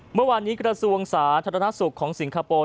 เมื่อวานนี้กระทรวงสาธารณสุขของสิงคโปร์